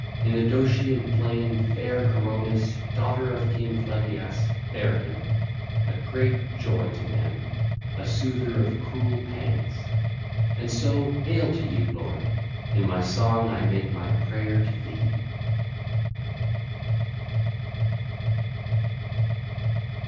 In the Dotian plain fair Coronis, daughter of King Phlegyas, bare him, a great joy to men, a soother of cruel pangs. (l. 5) And so hail to you, lord: in my song I make my prayer to thee!